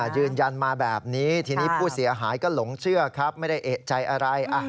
ยืนยันมาแบบนี้ทีนี้ผู้เสียหายก็หลงเชื่อครับไม่ได้เอกใจอะไร